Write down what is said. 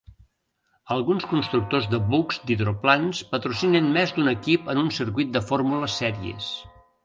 Alguns constructors de bucs d'hidroplans patrocinen més d'un equip en un circuit de fórmula sèries.